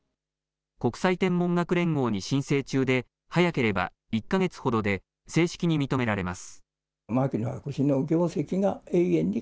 国際天文学連合に申請中で早ければ１か月ほどで正式に認められます。